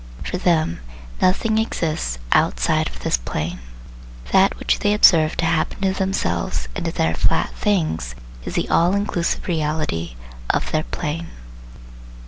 For them nothing exists outside of this plane: that which they observe to happen to themselves and to their flat " things " is the all inclusive reality of their plane.